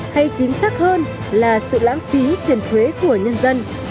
hay chính xác hơn là sự lãng phí tiền thuế của nhân dân